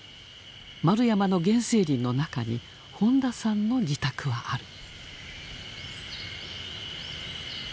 円山の原生林の中に本田さんの自宅はある。